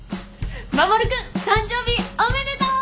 守君誕生日おめでとう！